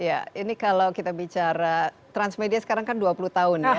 ya ini kalau kita bicara transmedia sekarang kan dua puluh tahun ya